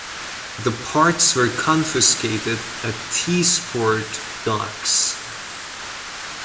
The parts were confiscated at Teesport Docks.